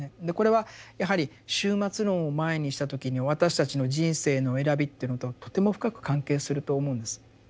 でこれはやはり終末論を前にした時の私たちの人生の選びというのととても深く関係すると思うんです。